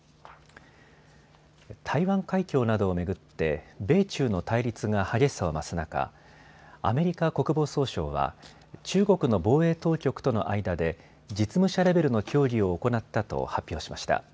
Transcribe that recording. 台湾海峡などを巡って米中の対立が激しさを増す中、アメリカ国防総省は中国の防衛当局との間で実務者レベルの協議を行ったと発表しました。